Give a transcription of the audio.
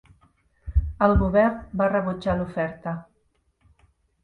El govern va rebutjar l'oferta.